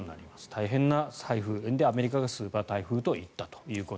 大変なタイフーンでアメリカがスーパー台風といったと。